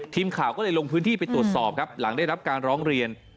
ทีมข่าวก็เลยลงพื้นที่ไปตรวจสอบครับหลังได้รับการร้องเรียน